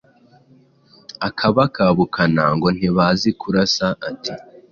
akabakabukana ngo ntibazi kurasa; ati: “